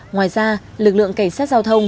ngoài ra lực lượng cảnh sát giao thông